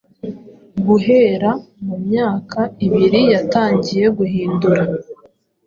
Guhera mu myaka ibiri yatangiye guhindura